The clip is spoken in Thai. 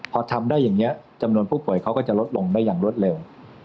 พอทำได้อย่างนี้จำนวนผู้ป่วยเขาก็จะลดลงได้อย่างรวดเร็ว